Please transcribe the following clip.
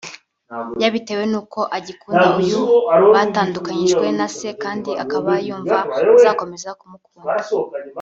yabitewe n’uko agikunda uyu batandukanijwe na se kandi akaba yumva azakomeza kumukunda